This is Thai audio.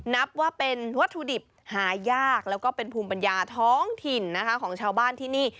นับว่าเป็นวัตถุดิบหายากแล้วก็เป็นภูมิปัญญาท้องถิ่นนะคะของชาวบ้านที่นี่